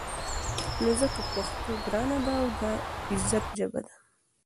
نو ځکه پښتو ګرانه ده او دا د عزت ژبه ده.